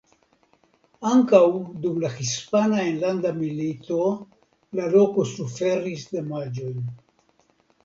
Ankaŭ dum la Hispana Enlanda Milito la loko suferis damaĝojn.